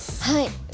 はい。